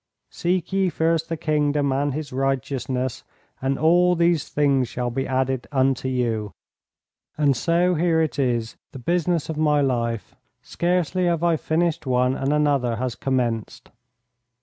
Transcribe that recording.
"'Seek ye first the Kingdom and His righteousness, and all these things shall be added unto you.' "And so here it is, the business of my life. Scarcely have I finished one and another has commenced."